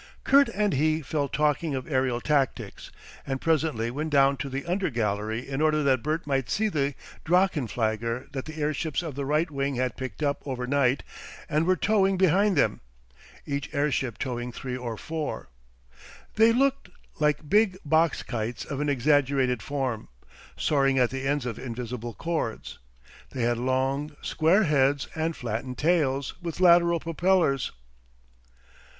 Kurt and he fell talking of aerial tactics, and presently went down to the undergallery in order that Bert might see the Drachenflieger that the airships of the right wing had picked up overnight and were towing behind them; each airship towing three or four. They looked, like big box kites of an exaggerated form, soaring at the ends of invisible cords. They had long, square heads and flattened tails, with lateral propellers.